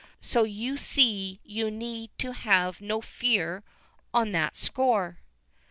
So you see you need have no fear on that score."